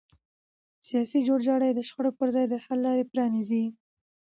سیاسي جوړجاړی د شخړو پر ځای د حل لاره پرانیزي